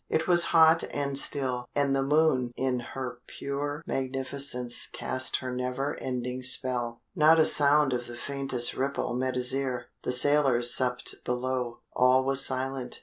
It was hot and still, and the moon in her pure magnificence cast her never ending spell. Not a sound of the faintest ripple met his ear. The sailors supped below. All was silence.